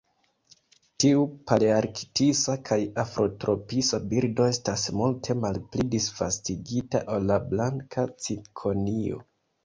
Tiu palearktisa kaj afrotropisa birdo estas multe malpli disvastigita ol la Blanka cikonio.